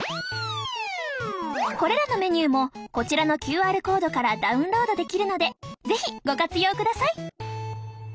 これらのメニューもこちらのＱＲコードからダウンロードできるので是非ご活用ください